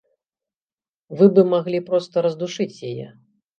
Вы бы маглі проста раздушыць яе.